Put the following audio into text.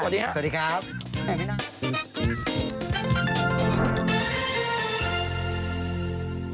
สวัสดีครับ